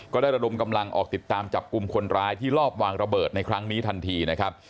ระดมกำลังออกติดตามจับกลุ่มคนร้ายที่รอบวางระเบิดในครั้งนี้ทันทีนะครับ